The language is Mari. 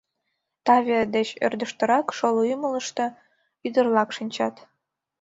Таве деч ӧрдыжтырак, шоло ӱмылыштӧ, ӱдыр-влак шинчат.